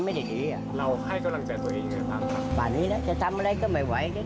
มันก็เป็นแบบอย่างให้ผมช่วงโควิดไม่มีงาน